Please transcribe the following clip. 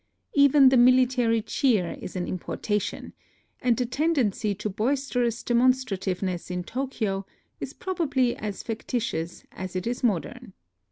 Even the military cheer is an importation ; and the tendency to bois terous demonstrativeness in Tokyo is proba bly as factitious as it is modern.